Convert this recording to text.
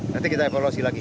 nanti kita evaluasi lagi